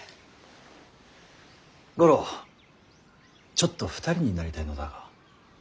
五郎ちょっと２人になりたいのだが。